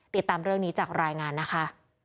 ติดตามเรื่องนี้จากรายงานนะคะ